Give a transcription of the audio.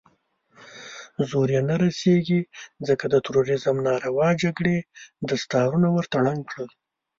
زور يې نه رسېږي، ځکه د تروريزم ناروا جګړې دستارونه ورته ړنګ کړل.